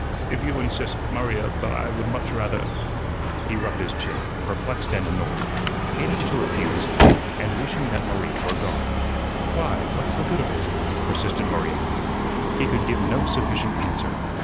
"If you insist, Maria, but I would much rather " he rubbed his chin, perplexed and annoyed, hating to refuse, and wishing that Maria were gone. "Why, what's the good of it?" persisted Maria. He could give no sufficient answer.